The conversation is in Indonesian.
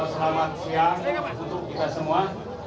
selamat siang untuk kita semua